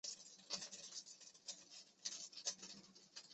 古德伦之子齐格菲的妻子。